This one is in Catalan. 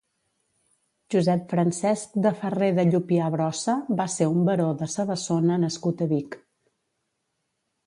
Josep Francesc de Ferrer de Llupià Brossa va ser un baró de Savassona nascut a Vic.